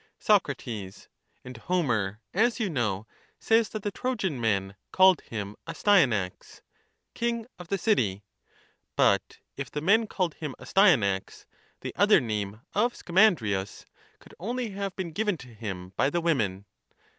Soc. And Homer, as you know, says that the Trojan men called him Astyanax (king of the city) ; but if the men called him Astyanax, the other name of Scamandrius could only have been given to him by the women.